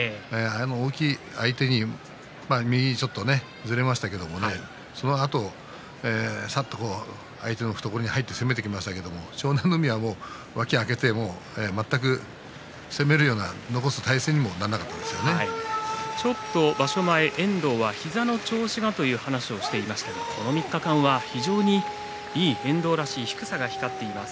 大きい相手に右にちょっとずれましたけれどもそのあと、さっと相手の懐に入って攻めていきましたけれども湘南乃海は脇を空けて全く攻めるような残すような体勢にも場所前で遠藤はちょっと膝の調子がという話をしていましたがこの３日間は遠藤らしい低さが光っています。